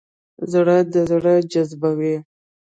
زړه د زړه جذبوي.